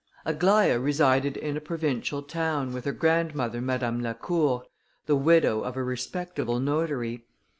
Aglaïa resided in a provincial town, with her grandmother, Madame Lacour, the widow of a respectable notary.